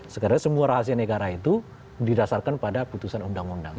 sekarang semua rahasia negara itu didasarkan pada putusan undang undang